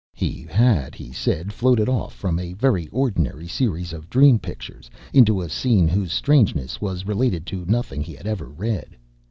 He had, he said, floated off from a very ordinary series of dream pictures into a scene whose strangeness was related to nothing he had ever read.